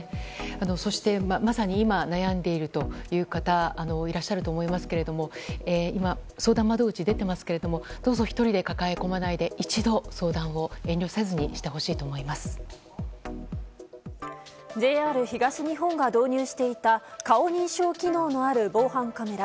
そして、まさに今悩んでいるという方いらっしゃると思いますけれども相談窓口、今出てましたがどうぞ１人で抱え込まないで一度相談をＪＲ東日本が導入していた顔認証機能のある防犯カメラ。